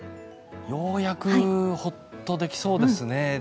ようやくほっとできそうですね。